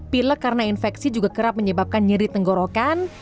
pilek karena infeksi juga kerap menyebabkan nyeri tenggorokan